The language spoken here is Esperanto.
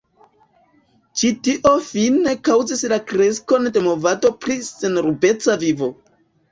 Ĉi tio fine kaŭzis la kreskon de movado pri senrubeca vivo.